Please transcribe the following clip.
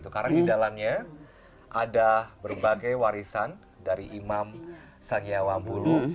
karena di dalamnya ada berbagai warisan dari imam sangya wambulu